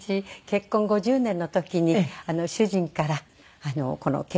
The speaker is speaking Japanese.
結婚５０年の時に主人からこの結婚指輪を。